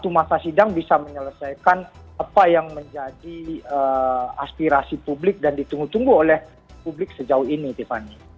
masa sidang bisa menyelesaikan apa yang menjadi aspirasi publik dan ditunggu tunggu oleh publik sejauh ini tiffany